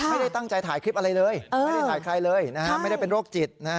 ไม่ได้ตั้งใจถ่ายคลิปอะไรเลยไม่ได้ถ่ายใครเลยไม่ได้เป็นโรคจิต